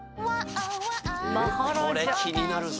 これ気になるぞ。